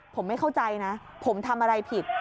ผมไม่เข้าใจนะผมทำอะไรผิด